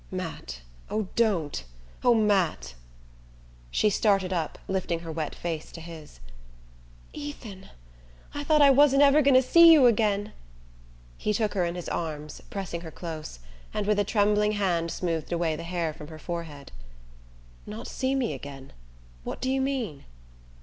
"Matt oh, don't oh, Matt!" She started up, lifting her wet face to his. "Ethan I thought I wasn't ever going to see you again!" He took her in his arms, pressing her close, and with a trembling hand smoothed away the hair from her forehead. "Not see me again? What do you mean?"